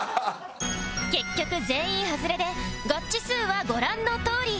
結局全員外れでガッチ数はご覧のとおり